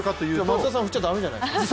松田さん振っちゃだめじゃないですか。